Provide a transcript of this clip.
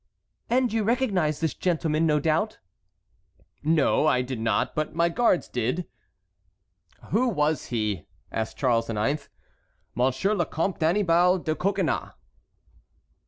"And you recognized this gentleman, no doubt?" "No, I did not, but my guards did." "Who was he?" asked Charles IX. "Monsieur le Comte Annibal de Coconnas."